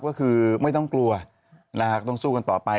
ก็คือไม่ต้องกลัวนะฮะต้องสู้กันต่อไป